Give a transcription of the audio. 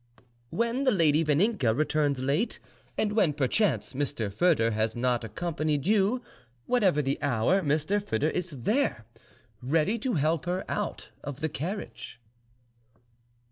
"When the lady Vaninka returns late, and when perchance Mr. Foedor has not accompanied you, whatever the hour Mr. Foedor is there, ready, to help her out of the carriage."